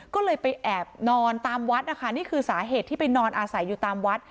ก็เลยไปแอบนอนตามวัดนะคะนี่คือสาเหตุที่ไปนอนอาศัยอยู่ตามวัด